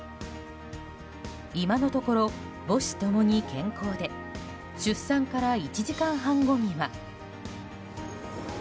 今のところ母子ともに健康で出産から１時間半後には。